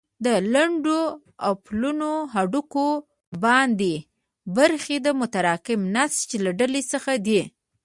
د لنډو او پلنو هډوکو باندنۍ برخې د متراکم نسج له ډلې څخه دي.